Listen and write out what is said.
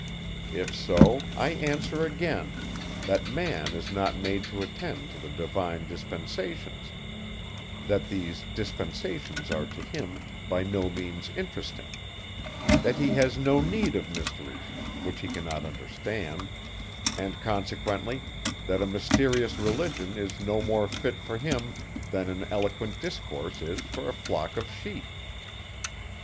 If so, I answer again, that man is not made to attend to the divine dispensations; that these dispensations are to him by no means interesting; that he has no need of mysteries, which he cannot understand; and consequently, that a mysterious religion is no more fit for him, than an eloquent discourse is for a flock of sheep.